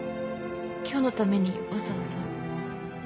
今日のためにわざわざ？